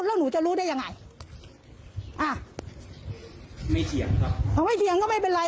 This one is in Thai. แล้วหนูจะรู้ได้ยังไงอ่ะไม่เถียงครับพอไม่เถียงก็ไม่เป็นไร